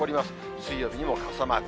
水曜日にも傘マーク。